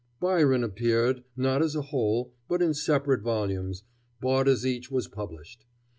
Byron appeared, not as a whole, but in separate volumes, bought as each was published.